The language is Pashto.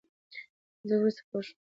زه ورورسته پوشوم.